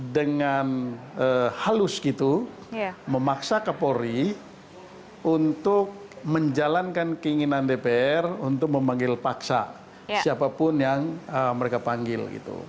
dengan halus gitu memaksa kapolri untuk menjalankan keinginan dpr untuk memanggil paksa siapapun yang mereka panggil